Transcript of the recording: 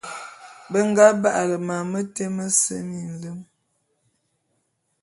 Be nga ba'ale mam mete mese minlem.